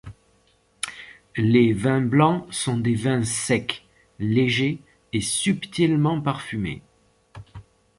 Les vins blancs sont des vins secs, légers et subtilement parfumés.